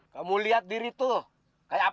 kamu lihat diri tuh kayak apa